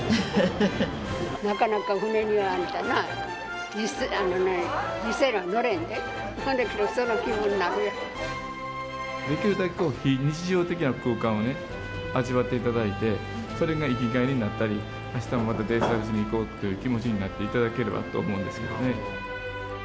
なかなか船には、あんたな、実際には乗れへんで、ほんだけど、できるだけ非日常的な空間をね、味わっていただいて、それが生きがいになったり、あしたもまたデイサービスに行こうという気持ちになっていただければと思うんですよね。